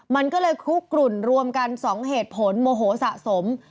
มันก็เลยคุกกลุ่นรวมกัน๒เหตุผลโมโหสะสม